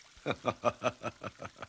ハハハハハハ。